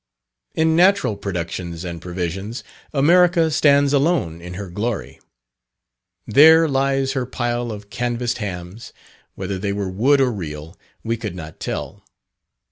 In natural productions and provisions, America stands alone in her glory. There lies her pile of canvassed hams; whether they were wood or real, we could not tell.